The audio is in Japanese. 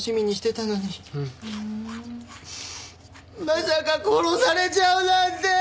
まさか殺されちゃうなんて！